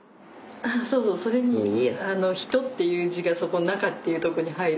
それに「人」っていう字がそこの「中」っていうとこに入る。